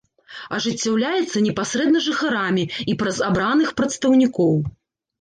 Ажыццяўляецца непасрэдна жыхарамі і праз абраных прадстаўнікоў.